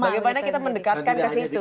bagaimana kita mendekatkan ke situ